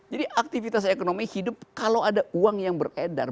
jadi aktivitas ekonomi hidup kalau ada uang yang beredar